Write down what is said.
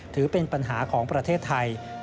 ถือเป็นปัญหาของประเทศไทย